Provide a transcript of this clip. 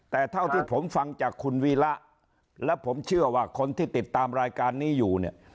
แต่เท่าที่ผมฟังจากคุณวีระและผมเชื่อว่าคนที่ติดตามรายการนี้อยู่เนี่ย